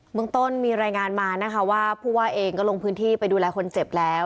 เมืองต้นมีรายงานมานะคะว่าผู้ว่าเองก็ลงพื้นที่ไปดูแลคนเจ็บแล้ว